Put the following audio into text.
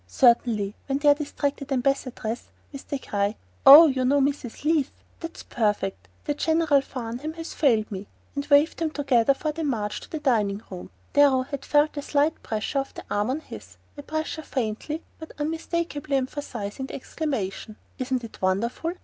Certainly, when their distracted Ambassadress with the cry: "Oh, you know Mrs. Leath? That's perfect, for General Farnham has failed me" had waved them together for the march to the dining room, Darrow had felt a slight pressure of the arm on his, a pressure faintly but unmistakably emphasizing the exclamation: "Isn't it wonderful?